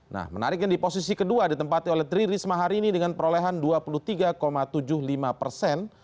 nah menariknya di posisi kedua ditempati oleh tri risma hari ini dengan perolehan dua puluh tiga tujuh puluh lima persen